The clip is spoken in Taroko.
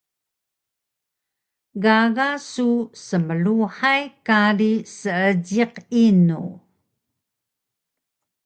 Gaga su smluhay kari Seejiq inu?